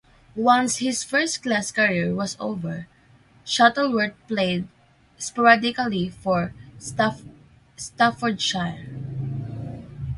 Once his first-class career was over, Shuttleworth played sporadically for Staffordshire.